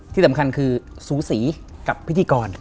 ที่สำคัญคือสูสีกับพิธีกร